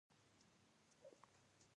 زه د کامیابی او بریا په اړه خوبونه نه وینم